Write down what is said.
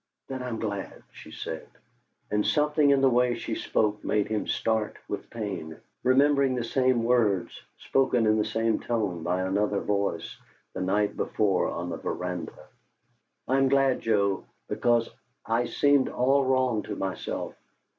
"Then I'm glad," she said, and something in the way she spoke made him start with pain, remembering the same words, spoken in the same tone, by another voice, the night before on the veranda. "I'm glad, Joe, because I seemed all wrong to myself.